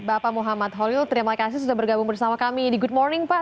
bapak muhammad holil terima kasih sudah bergabung bersama kami di good morning pak